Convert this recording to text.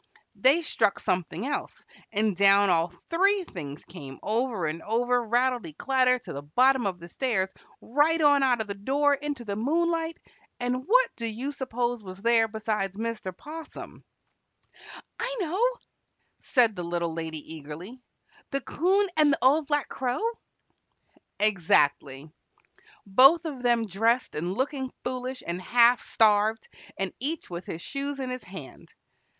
they struck something else, and down all three things came over and over, rattlety clatter, to the bottom of the stairs, right on out of the door into the moonlight, and what do you suppose was there besides Mr. 'Possum? "I know," said the Little Lady, eagerly. "The 'Coon and the Old Black Crow?" [Illustration: LOOKING FOOLISH AND HALF STARVED.] Exactly. Both of them dressed and looking foolish and half starved, and each with his shoes in his hand.